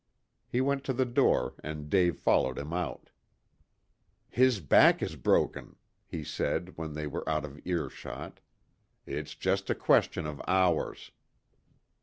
He went to the door, and Dave followed him out. "His back is broken," he said, when they were out of ear shot. "It's just a question of hours."